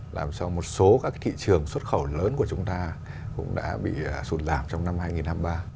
làm cho một số các thị trường xuất khẩu lớn của chúng ta cũng đã bị sụt giảm trong năm hai nghìn hai mươi ba